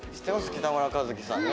北村一輝さんね。